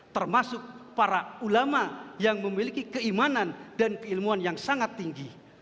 termasuk para ulama yang memiliki keimanan dan keilmuan yang sangat tinggi